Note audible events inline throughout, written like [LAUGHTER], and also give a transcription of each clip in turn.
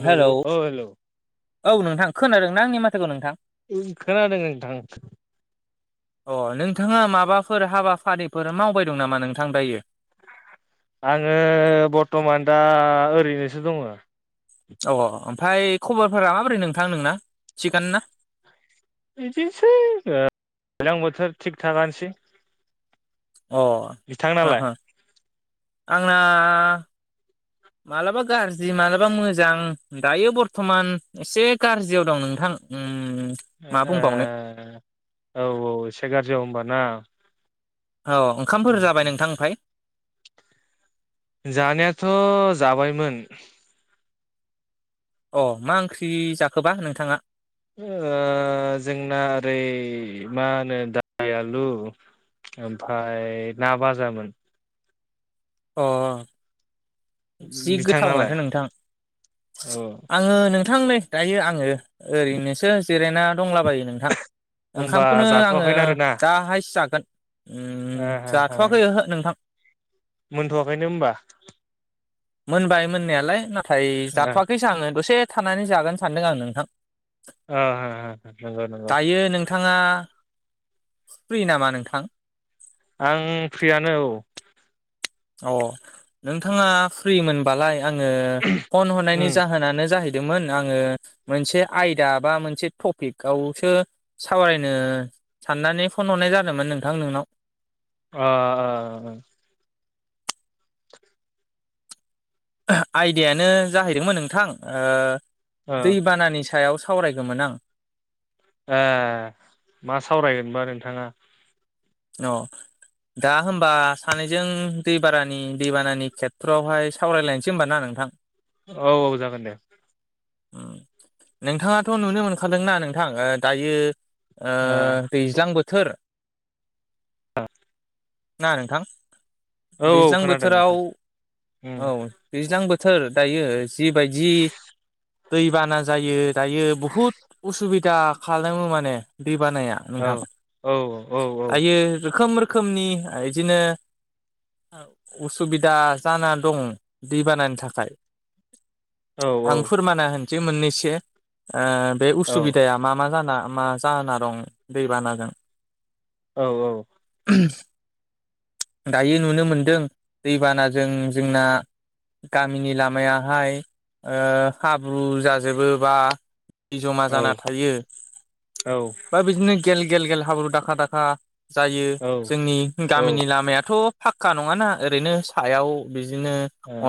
हेल' hello औ hello औ नोंथां खोनादों ना आंनि माथोखौ नोंथां? उम खोनादों नोंथां अ नोंथाङा माबाफोर हाबाफारिफोर मावबाय दं नामा नोंथां दायो? [INAUDIBLE] आङो बर्थ'मान दा ओरैनोसो दङ। अ ओमफ्राय खबरफोरा माबोरै नोंथां नोंना, थिगानो ना? बिदिनोसै दै-दैल्जां बोथोर थिग थागानोसै। अ बिथांनालाय ह-ह। आंना मालाबा गाज्रि, मालाबा मोजां। दायो बरथ'मान एसे गाज्रियाव दं नों थां [UNINTELLIGIBLE] ए औ-औ एसे गाज्रियाव हमबा ना औ ओंखामफोर जाबाय नोंथां आमफ्राय? जानायाथ' जाबायमोन अ मा ओंख्रि जाखोबा नोंथाङा? ओ जोंना ओरै मा होनो दालि-आलु ओमफ्राय ना बाजामोन। अ जि गोथाव बिथांनालाय माथो नोंथां। औ आङो नोंथां [UNINTELLIGIBLE] दायो आङो ओरैनोसो जिरायना दंलाबायो नोंथां। होमबा ओंखामखौनो आङो जाथ'वाखैनो आरोना दाहायसो जागोन। ओ उम हो हो जाथ'वाखै ओहो नोंथां मोनथ'वाखैनो हमबा मोनबाय मोननायालाय नाथाय ओ जाथ'वाखैसो आङो दसे थानानै जागोन सानदों आं नोंथां ओ हो हो नंगौ नंगौ दायो नोंथाङा फ्रि नामा नोंथां? आं फ्रियानो औ। अ नोंथाङा फ्रि मोनबालाय आङो फन हरनायनि उम जाहोनानो जाहैदों मोन आङो मोनसे आयदा बा मोनसे टपिकआवसो सावरायनो साननानै फन हरनाय जादोंमोन नोंथां नोंनाव अ अ आयदायानो जाहैदोंमोन नोंथां, ओ ओ दैबानानि सायाव सावरायगौमोन आं ए मा सावरायगोनबा नोंथाङा औ दा होमबा सानैजों दैबारानि दैबानानि खेथ्र'आवहाय सावरायलायनोसै होमब ना नोंथां औ-औ जागोन दे नोंथाङाथ' नुनो मोनखादोंना नोंथां दायो ओ दैज्लां बोथोर औ ना नोंथां औ दैज्लां खोनादों बोथोराव नोंथां औ उम दैज्लां बोथोर बोथोर दायो जिबायदि दै बाना जायो दायो बहुद उसुबिदा खालामो माने दै बानाया औ नोंथां औ औ औ दायो रोखोम रोखोमनि इदिनो उसुबिदा जाना दं दैबानानि थाखाय औ आं फोरमाना होनोसै मोननैसो बे ओ औ उसुबिदाया मा-मा जानो मा जाना दं दैबानाजों औ-औ दायो नुनो मोनदों दैबानाजों जोंना गामिनि लामायाहाय ओ हाब्रु जाजोबो बा जमा औ जाना थायो औ औ ओ बा बिदिनो गेल गेल गेल हाब्रु दाखा दाखा जायो जोंनि ओ गामिनि लामायाथ' फाक्का नङाना ओरैनो सायाव बिदिनो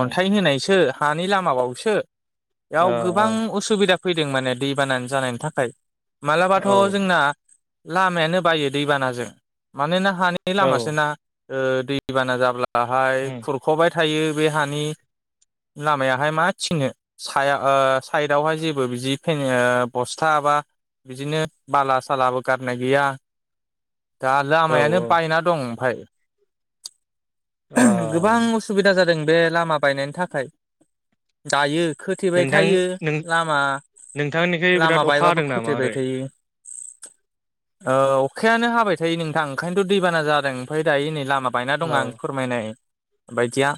अन्थाइ होनायसो हानि लामाबावसो बेयाव गोबां उसुबिदा फैदों माने दैबाना जानायनि थाखाय औ मालाबाथ औ जोंना लामायानो बायो दैबानाजों मानोना हानि लामासोना ओ दैबाना जाब्लाहाय उम खुरखावबाय थायो बे हानि लामायाहाय मा थिनो साया ओ साइदावहाय जेबो बिदिओ बस्था माबा बिदिनो बाला सालाबो गारनाय गैया दा औ लामायानो ओ बायना दं ओमफ्राय गोबां उसुबिदा जादों बे लामा बायनायनि थाखाय दायो खोथेबाय नोंथां थायो नों लामा नोंथांनिखै लामा बिराद अखा बायबाबो हादों नामा खोथेबाय ओरै थायो ओ अखायानो हाबाय थायो नोंथां ओंखायनोथ दैबाना जादों ओमफ्राय दायो नै लामा लामा बायना दं आं औ फोरमायनाय बायदिया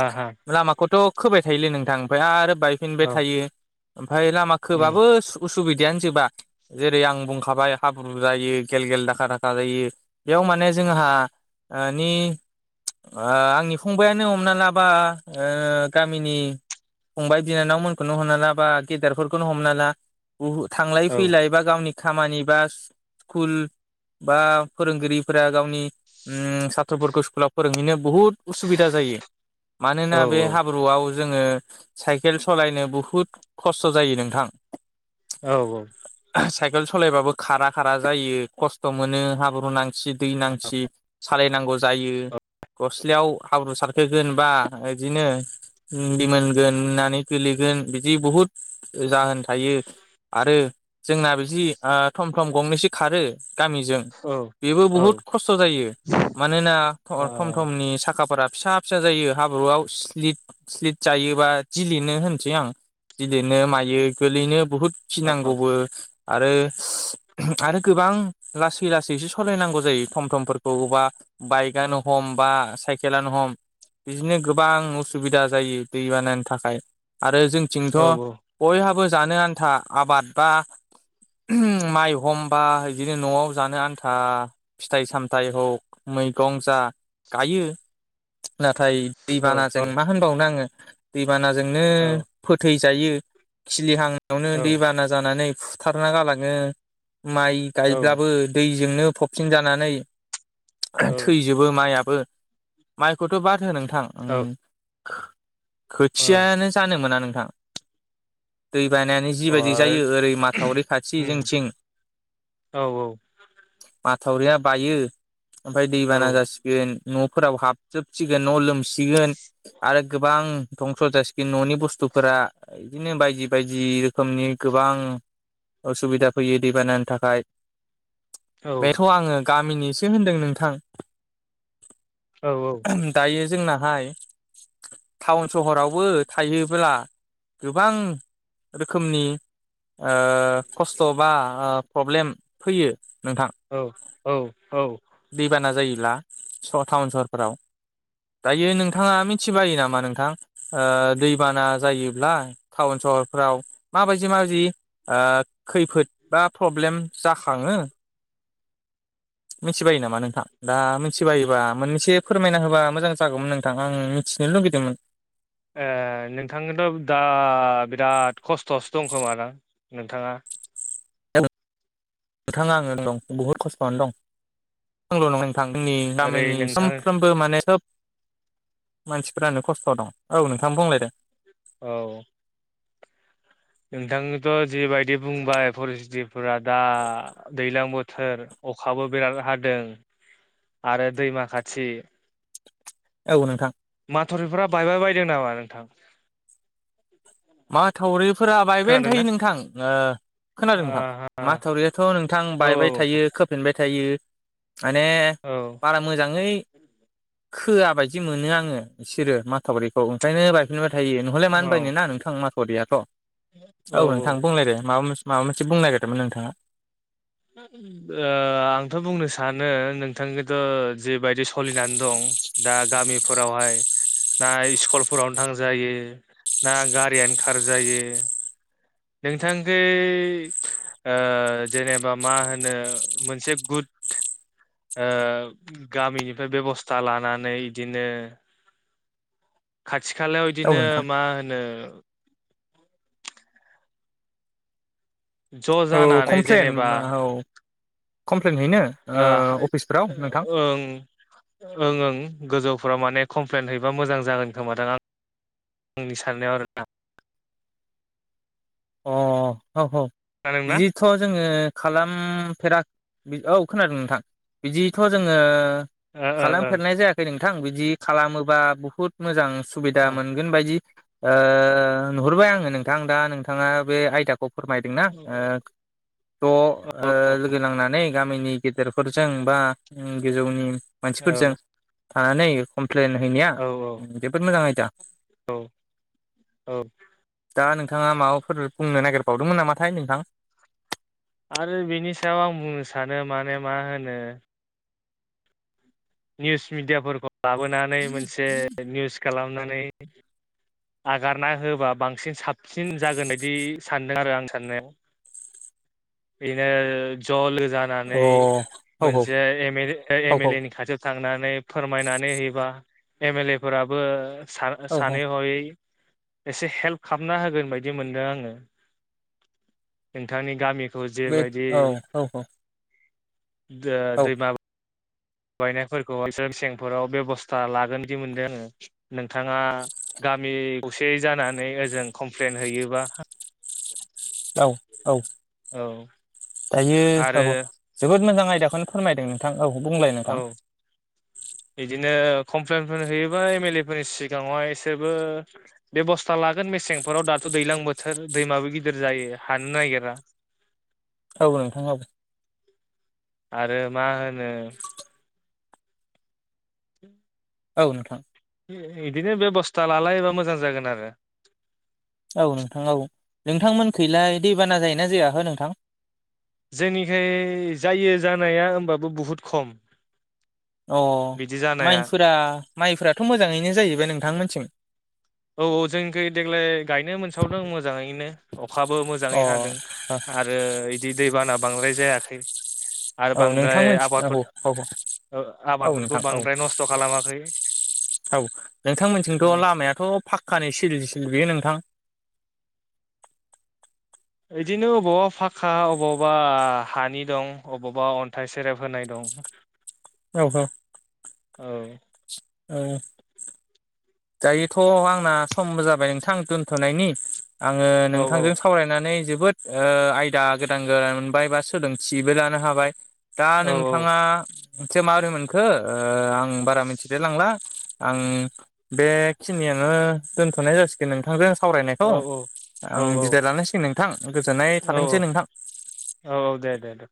आहा लामाखौथ खोबाय थायोलै नोंथां ओमफ्राय आरो बायफिनबाय औ थायो ओमफ्राय लामा उम खोबाबो उसु उसुबिदायानो जोबा जेरै आं बुंखाबाय हाब्रु जायो गेल गेल दाखा-दाखा जायो बेयाव माने जोंहानि आंनि फंबायानो हमना लाबा गामिनि फंबाय बिनानावमोनखोनो हमना ला बा गेदेरफोरखौनो हमना ला थांलाय औ फैलाय बा गावनि खामानि बा स्कुल बा फोरोंगिरिफोरा गावनि ओम साथ्रफोरखौ स्कुलाव फोरोंहैनो बुहुद उसुबिदा जायो फैयो औ मानोना बे हाब्रुआव जोङो साइकेल सालायनो बुहुत खस्थ जायो नोंथां औ-औ साइकेल सलायबाबो खारा खारा जायो खस्थ मोनो हाब्रु नांसि दै नांसि सालायनांगौ जायो गस्लायाव हाब्रु सारखोगोनबा बिदिनो बि मोनगोन होननानै गोलैगोन बिदि बुहुत जाहोन थायो आरो जोंना बिदि थम थम गंनैस खारो गामिजों औ बेबो औ ओ बुहुद खस्थ जायो मानोना औ थम थमनि साखाफोरा फिसा फिसा जायो हाब्रुआव स्लिट स्लिट जायोबा दिलिनो होनसै आं गिदिरनो मायो गोलैनो बुहुद गिनांगौबो आरो आरो गोबां लासै लासैसो सलायनांगौ जायो थम थमफोरखौबा बाइकआनो हम बा साइके केलानो हम बिदिनो गोबां उसुबिदा जायो दै बानायनो थाखाय। आरो औ जानो आन्था आबाद बा [INAUDIBLE] माइ एखमबा बिदिनो न'आव जानो आन्था फिथाइ सामथाइ हग मैगं जा गायो। नाथाय औ दैबानाजों मा होनबावनो आङो दैबानाजोंनो औ फोथैजायो खिलिहांनायावनो औ दैबाना जानानै फुथारना गालाङो माइ औ गायब्लाबो दै जोंनो फबसिन जानानै औ ओ थैजोबो माइआ बो माइखौथ बाद हो नोंथां उम अ खोथियानो जानो मोना नोंथां। दै बानायानो जिबायदि जायो ओरै माथावरि खाथि उम जोंथिं। औ औ माथावरिया बायो, ओमफफ्राय औ दैबाना जासिगोन। न'फोराव हाबजोबसिगोन न' लोमसिगोन आरो गोबां धंस जासिगोन न'नि बुस्थु फोरा बिदिनो बायदि बायदि रोखोमनि गोबां असुबिदा फैयो। दै बानानि थाखाय। बेथ' आङो गामिनि होनदों नोंथां औ [INAUDIBLE] दायो जोंनाहाय टाउन सहरावबो थायोब्ला गोबां, रोखोमनि ओ खस्थ' बा ओ प्रब्लेम फैयो। नोंथां औ औ औ [INAUDIBLE] दैबाना जायो ब्ला स- टाउन सहरफोराव। दायो नोंथाङा मिथिबायो नामा नोंथां? ओ दैबाना जायोब्ला टाउन स हरफ्राव माबायदि माबायदि ओ खैफोद बा प्रब्लेम जाखाङो? मिथिबायो नामा नोंथां, दा मिथिबायोबा मोननैसे फोरमायना होबा मोजां जागौमोन नोंथां आं मिथिनो लुुबैदोंमोन। ए नोंथांनोथ' दा बिराद खस्थआवसो दं खोमा ना नोंथाङा? [INAUDIBLE] नोंथाङा आङो दं बहुद खस्थआनो दं [UNINTELLIGIBLE] थांनि जोंनि ओरै गामिनि नोंथां सानफ्रोमबो माने सब [INAUDIBLE] मानसिफोरानो खस्थ' दं औ नोंथां बुंलाय दे। औ नोंथांनोथ' जिबायदि बुंबाय फरिस्तफोरा दा दैज्लां बोथोर अख खाबो बिराद हादों आरो दैमा खाथि। औ नोंथां। माथुरिफ्रा बायबाय बायदों नामा नोंथां? माथावरिफोरा बायबायानो खोनादोंना थायो नोंथां, ओ खोनादों नोंथां आहा माथावरियाथ' नोंथां औ बायबाय थायो खोफिनबाय थायो। माने औ बारा मोजाङै खोआ बायदि मोनो आङो बिसोरो माथावरिखौ ओंखायनो बायफिनबाय थायो नहलाय मानो औ होनबायायनो ना नोंथां माथावरियाथ'। औ नोंथां बुंलायदे माबा मोनसे माबा मोनसे बुंनो नागिरदोंमोन नोंथाङा। ओ आंथ' बुंनो सानो नोंथांखौथ' जिबायदि सलिनानै दं दा गामिफोरावहाय ना इकुलफोरावनो थांजायो ना गारियानो खारजायो। नोंथांखै ओ जेनेबा मा होनो मोनसे गुद ओ गामिनिफ्राय बेबस्था लानानै इदिनो थिखालायाव औ बिदिनो नोंथां मा होनो ज' औ जानानै कमप्लेन जेनेबा औ कमप्लेन हैनो ओ अफिसफोराव नोंथां ओं ओं ओं गोजौ। गफुराव माने कमप्लेन हैबा मोजां जागोन खोमाथां आं आंनि साननायाव आरोना। [INAUDIBLE] अ औ औ खोनादोंना जिथ जोङो। खालामफेराख औ खोनादों नोंथां बिदिथ जोङो। ओ ओ खालामफेरनाय जायाखै नोंथां बिदि खालामोबा बुहुत मोजां सुबिदा मोनगोन बायदि ओ नुहरबाय आङो नोंथां दा नोंथाङा बे आयदा खौ फोरमायदोंना ओ त' ओ ओ लोगो नांनानै गामिनि गेदेरफोरजों बा ओ गोजौनि औ मानसिफोरजों थानानै प्लेन हैनाया औ जोबोद मोजां आयदा। औ औ दा नोंथाङा माबाफोर बुंनो नागिरबावदोंमोन नामाथाय नोंथां? आरो बिनि सायाव आं बुंनो सानो माने मा होनो निउस मिडियाफोरखौ लाबोनानै मोनसे निउस खालामनानै आगारना होबा बांसिन साबसिन जागोन बायदि सानदों आरो आं साननायाव। [INAUDIBLE] बिनो जल अ औ जानानै औ मोनसे एम ए औ एम एल ए नि खाथियाव थांनानै फोरमायनानै होयोबा एम एल ए फोराबो सा औ औ सानै हयै एसे हेल्प खालामना होगोन बायदि मोनदों आङो। नोंथांनि गामिखौ बे जेबायदि औ औ औ दो औ दैमा बायनायफोरखौ मेसेंफोराव बेब'स्था लागोनबादि मोनदों आङो नोंथाङा गामि खौसे जानानै ओजों खमफ्लेन हैयोबा औ औ। औ‌। दायो [UNINTELLIGIBLE] जोबोद मोजां आयदाखौनो फोरमायदों नोंथां। औ बुंलाय औ नोथां। बिदिनो कमप्लेनफोर हैयोबाया एम एल ए फोरनि सिगाङाव इसोरबो बेब'स्था लागोन मेसेंफोराव दाथ' दैलां बोथोर दैमाबो गिदिर जायो हानो नागिरा। औ नोंथां औ। आरो मा होनो औ नोंथां। इदिनो बेबस्था लालायोबा मोजां जागोन आरो। औ नोंथां औ नोंथांमोन खैलाय दैबाना जायोना जाया हो नोंथां? जोंनिखै जायो जानाया होमबाबो बुहुद खम। अ बिदि जानाया माइफोरा माइफोराथ' मोजाङैनो जायो बे नोंथांमोननिथिं? औ औ जोंनिखै देग्लाय गायनो मोनसाबदों मोजाङैनो अखाबो मोजाङै अ हादों। आरो इदि दैबाना बांद्राय जायाखै। आरो औ बांद्राय नोंथांमोनथिं आबाद औ फोथा औ ओ औ आबादफोरखौ नोंथां औ बांद्राय नस्थ' खालामाखै। औ नोंथांमोनथिंथ' औ लामायाथ' फाख खानि सिल सिल बेयो नोंथां? इदिनो अबावबा फाखा अबावबा हानि दं अबावबा अन्थाइ सेरेब होनाय दं। औ। [UNINTELLIGIBLE] औ। उम। दायोथ' आंना समबो जाबाय नोंथां दोनथ'नायनि। आङो औ नोंथांजों सावरायनानै जोबो बोद आयदा गोदान गोदान मोनबाय बा सोलोंथिबो लानो हाबाय। दा औ नोंथाङा मोनसे माबोरै मोनखो ओ आं बारा मिथिनाय लांला आं बेखिनियावनो दोनथ'नाय जासिगोन नोंथांजों औ सावरायनायखौ। औ आं बिदाय लानांसिगोन नोंथां गोजोननाय औ थाथोंसै नोंथां। औ दे दे दे।